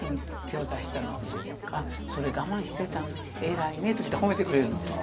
そうかそれ我慢してたね偉いね」ときて褒めてくれるんですよ。